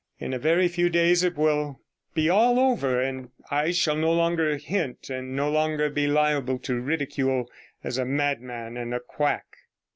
In a very few days it will be all over, and I shall no longer hint, and no longer be liable to ridicule as a madman and a quack.